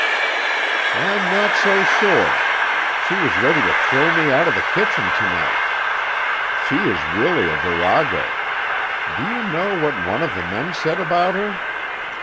"I'm not so sure. She was ready to throw me out of the kitchen to night. She is really a virago. Do you know what one of the men said about her?"